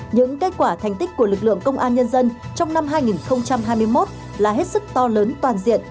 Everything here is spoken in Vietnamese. những kết quả thành tích của lực lượng công an nhân dân trong năm hai nghìn hai mươi một là hết sức to lớn toàn diện